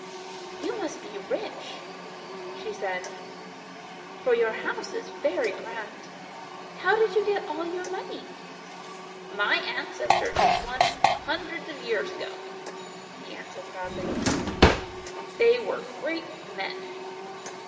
" You must be rich," she said, " for your house is very grand. How did you get all your money ?"" My ancestors won it hundreds of years ago," he answered proudly. " They were great men."